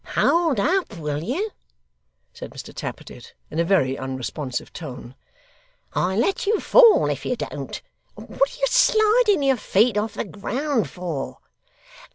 'Hold up, will you,' said Mr Tappertit, in a very unresponsive tone, 'I'll let you fall if you don't. What are you sliding your feet off the ground for?